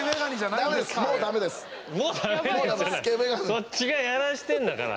そっちがやらしてんだから。